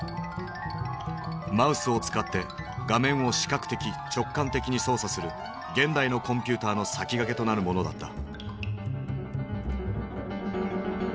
マウスを使って画面を視覚的直感的に操作する現代のコンピューターの先駆けとなるものだった。